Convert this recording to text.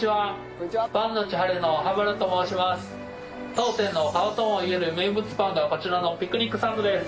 当店の顔ともいえる名物パンがこちらのピクニックサンドです。